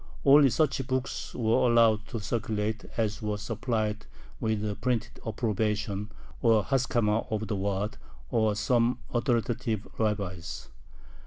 Only such books were allowed to circulate as were supplied with a printed approbation, or haskama, of the Waad or some authoritative rabbis.